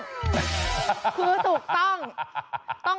คือถูกต้อง